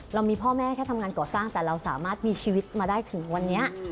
เรามีพ่อแม่แค่ทำงานก่อสร้างแต่เราสามารถมีชีวิตมาได้ถึงวันนี้